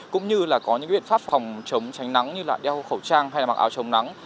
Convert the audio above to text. cũng như là có những biện pháp phòng chống tránh nắng như là đeo khẩu trang hay là mặc áo chống nắng